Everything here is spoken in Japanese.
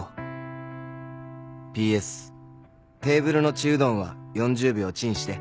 「Ｐ．Ｓ．テーブルの血うどんは４０秒チンして！」